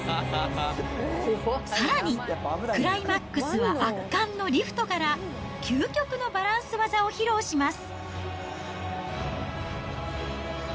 さらに、クライマックスは圧巻のリフトから、究極のバランス技を披露します。